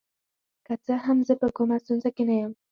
که څه هم زه په کومه ستونزه کې نه یم.